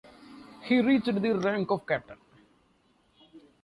He reached the rank of Captain.